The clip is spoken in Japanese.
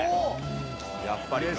やっぱりか。